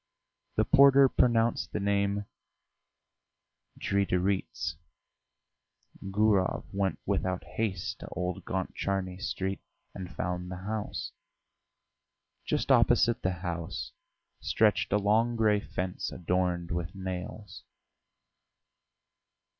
The porter pronounced the name "Dridirits." Gurov went without haste to Old Gontcharny Street and found the house. Just opposite the house stretched a long grey fence adorned with nails.